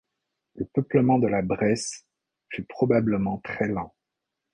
Le peuplement de la Bresse fut probablement très lent.